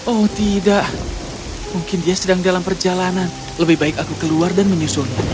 oh tidak mungkin dia sedang dalam perjalanan lebih baik aku keluar dan menyusunnya